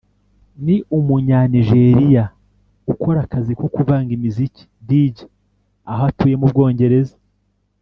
ni Umunyanigeriya ukora akazi ko kuvanga imiziki (Dj) aho atuye mu Bwongereza